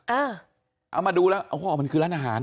เอามาดูแล้วเอาพ่อมันคือร้านอาหาร